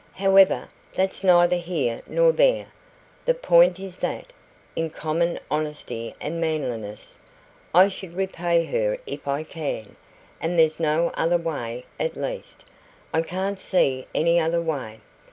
However, that's neither here nor there. The point is that, in common honesty and manliness, I should repay her if I can; and there's no other way at least, I can't see any other way.